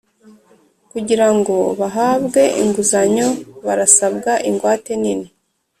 Kugira ngo bahabwe inguzanyo barasabwa ingwate nini